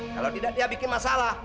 kalau tidak dia bikin masalah